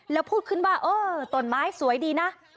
แล้วพูดขึ้นว่าเออต้นไม้สวยดีนะ